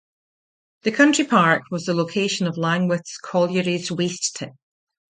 The country park was the location of Langwith Colliery's waste tip.